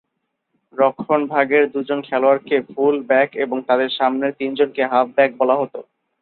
রক্ষণভাগের দুজন খেলোয়াড়কে full back এবং তাদের সামনের তিনজনকে হাফ ব্যাক বলা হতো।